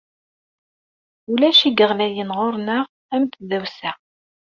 Ulac i yeɣlayen ɣur-neɣ am tdawsa.